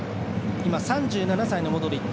今、３７歳のモドリッチ。